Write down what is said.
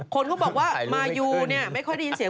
คนเขาบอกว่ามายูเนี่ยไม่ค่อยได้ยินเสียง